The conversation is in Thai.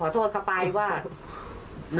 แล้วก็ขอโทษเข้าไปว่า